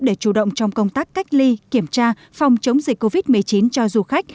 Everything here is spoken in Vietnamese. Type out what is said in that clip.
để chủ động trong công tác cách ly kiểm tra phòng chống dịch covid một mươi chín cho du khách